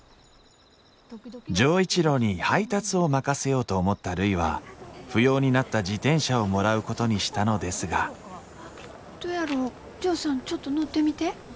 錠一郎に配達を任せようと思ったるいは不要になった自転車をもらうことにしたのですがどやろうジョーさんちょっと乗ってみて。